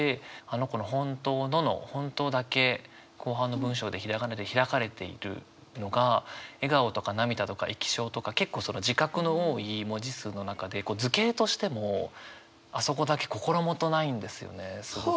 「あの子のほんとうの」の「ほんとう」だけ後半の文章でひらがなで開かれているのが「笑顔」とか「涙」とか「液晶」とか結構その字画の多い文字数の中で図形としてもあそこだけ心もとないんですよね。